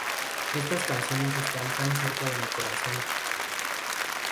Estas canciones están tan cerca de mi corazón.